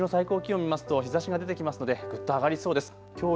また日中の最高気温見ますと日ざしが出てきますのでぐっと上がりそうです。